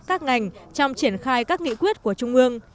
các ngành trong triển khai các nghị quyết của trung ương